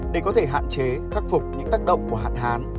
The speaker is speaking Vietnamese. để có thể hạn chế khắc phục những tác động của hạn hán